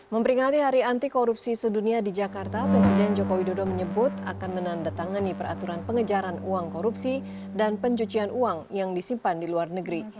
memperingati hari anti korupsi sedunia di jakarta presiden joko widodo menyebut akan menandatangani peraturan pengejaran uang korupsi dan pencucian uang yang disimpan di luar negeri